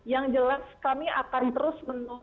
yang jelas kami akan terus